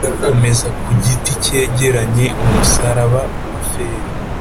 komeza ku giti cyegeranye, umusaraba wa feri,